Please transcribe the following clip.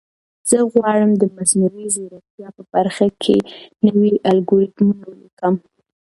زه غواړم د مصنوعي ځیرکتیا په برخه کې نوي الګوریتمونه ولیکم.